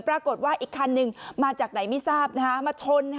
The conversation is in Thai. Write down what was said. ปรากฏว่าอีกคันหนึ่งมาจากไหนไม่ทราบมาชน